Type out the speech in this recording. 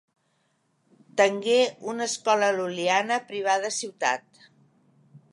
Tengué una escola lul·liana privada a Ciutat.